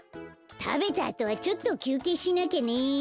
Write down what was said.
たべたあとはちょっときゅうけいしなきゃね。